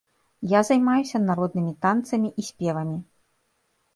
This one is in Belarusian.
Я займаюся народнымі танцамі і спевамі.